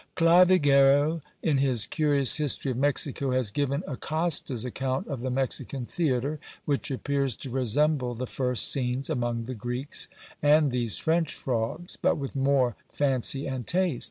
Clavigero, in his curious history of Mexico, has given Acosta's account of the Mexican theatre, which appears to resemble the first scenes among the Greeks, and these French frogs, but with more fancy and taste.